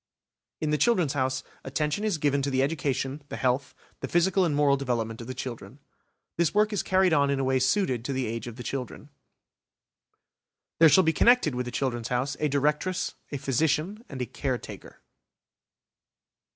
In the "Children's House" attention is given to the education, the health, the physical and moral development of the children. This work is carried on in a way suited to the age of the children. There shall be connected with the "Children's House" a Directress, a Physician, and a Caretaker.